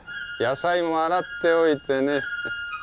野菜も洗っておいてね」。